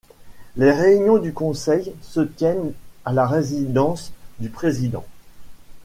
Les réunions du conseil se tiennent à la Résidence du Président.